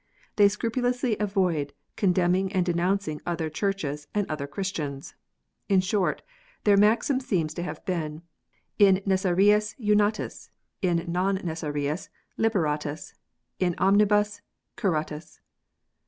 They scrupulously avoid condemning and denouncing other Churches and other Christians. In short, their maxim seems to have been, "in necessariis unitas, in non necessariis libertas, in omnibus cantos."